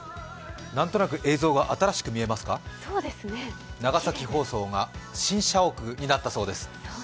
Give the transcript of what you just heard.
なんとなく映像が新しく見えますが長崎放送が新社屋になったそうです。